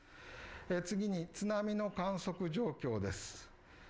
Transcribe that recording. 次に、津波の観測状況です